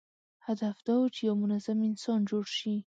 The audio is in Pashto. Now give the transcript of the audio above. هدف دا و چې یو منظم انسان جوړ شي.